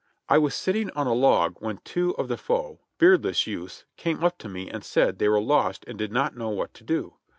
I was sitting on a log when two of the foe, beardless youths, came up to me and said they were lost and did not know what to do.